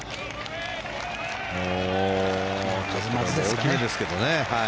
大きいんですけどね。